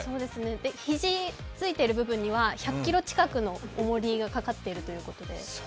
肘ついている部分には１００ｋｇ近くのおもりがかかっているということです。